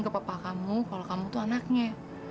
ke papa kamu kalau kamu tuh anaknya